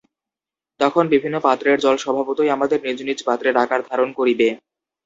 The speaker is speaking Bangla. তখন বিভিন্ন পাত্রের জল স্বভাবতই আমাদের নিজ নিজ পাত্রের আকার ধারণ করিবে।